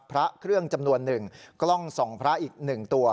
พระเครื่องจำนวน๑กล้องส่องพระอีก๑ตัว